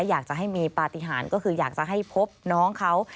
อยากจะให้มีปฏิหารก็คืออยากจะให้พบน้องเขา